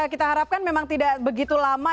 kita harapkan memang tidak begitu lama